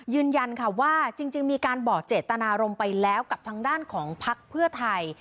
ยืนยันค่ะว่าจริงมีการบอกเจตนารมณ์ไปแล้วกับทางด้านของพักเพื่อไทย